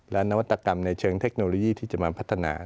และนวัตกรรมในเชิงเทคโนโลยีที่จะมาพัฒนา